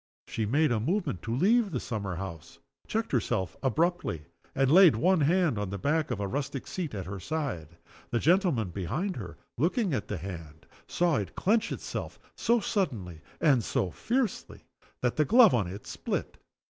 She made a movement to leave the summer house checked herself abruptly and laid one hand on the back of a rustic seat at her side. A gentleman behind her, looking at the hand, saw it clench itself so suddenly and so fiercely that the glove on it split.